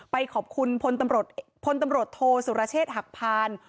ไปขอบคุณพลตำรวจโทสุรเชษฐ์หักพาน